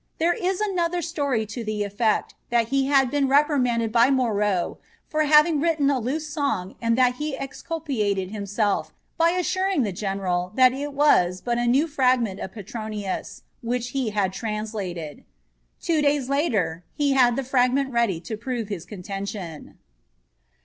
There is another story to the effect that he had been reprimanded by Moreau for having written a loose song and that he exculpated himself by assuring the general that it was but a new fragment of Petronius which he had translated. Two days later he had the fragment ready to prove his contention.